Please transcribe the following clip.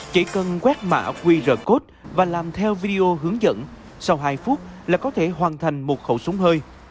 chỉ cần quét mã qr code và làm theo video hướng dẫn sau hai phút là có thể hoàn thành một khẩu súng hơi